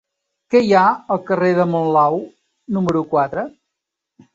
Què hi ha al carrer de Monlau número quatre?